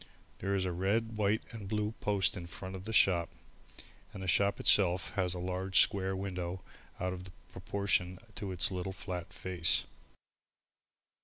There is a red, white and blue post in front of the shop and the shop itself has a large square window out of proportion to its little flat face.